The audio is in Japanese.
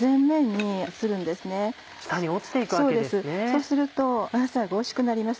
そうすると野菜がおいしくなります。